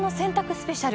スペシャル」